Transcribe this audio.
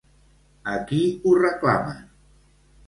A qui ho reclamen?